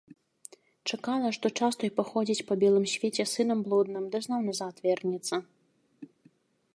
Чакала, што час той паходзіць па белым свеце сынам блудным ды зноў назад вернецца.